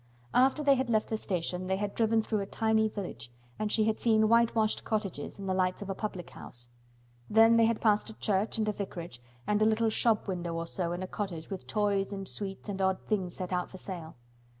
After they had left the station they had driven through a tiny village and she had seen whitewashed cottages and the lights of a public house. Then they had passed a church and a vicarage and a little shop window or so in a cottage with toys and sweets and odd things set out for sale.